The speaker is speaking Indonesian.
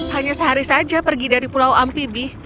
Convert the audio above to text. hanya sehari saja pergi dari pulau ampibih